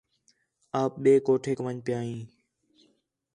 آپ ٻئے کوٹھیک ون٘ڄ پِیا ہیں